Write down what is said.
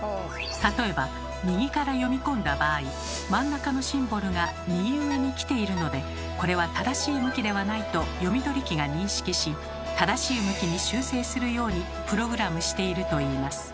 例えば右から読み込んだ場合真ん中のシンボルが右上にきているのでこれは正しい向きではないと読み取り機が認識し正しい向きに修正するようにプログラムしているといいます。